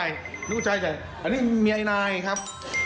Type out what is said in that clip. อันนี้คุณชายใหญ่อันนี้เมียไอ้นายครับ